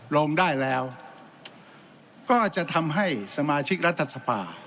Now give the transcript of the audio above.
ลงได้แล้วก็จะทำให้สมาชิกรัฐสภา